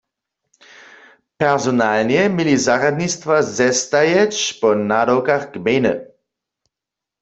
Personalnje měli zarjadnistwa zestajeć po nadawkach gmejny.